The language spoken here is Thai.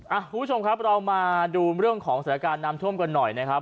คุณผู้ชมครับเรามาดูเรื่องของสถานการณ์น้ำท่วมกันหน่อยนะครับ